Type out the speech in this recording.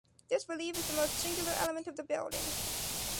This relieve is the most singular element of the building.